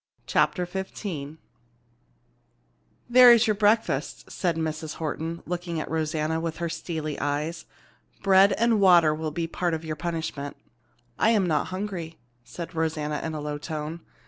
CHAPTER XV "There is your breakfast," said Mrs. Horton, looking at Rosanna with her steely eyes. "Bread and water will be part of your punishment." "I am not hungry," said Rosanna in a low tone.